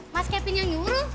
mas kevin yang nyuruh